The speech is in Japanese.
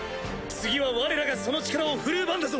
次はわれらがその力を振るう番だぞ！